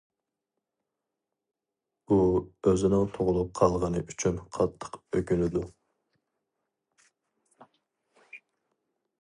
ئۇ ئۆزىنىڭ تۇغۇلۇپ قالغىنى ئۈچۈن قاتتىق ئۆكۈنىدۇ.